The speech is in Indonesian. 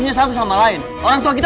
ya allah apa apaan sih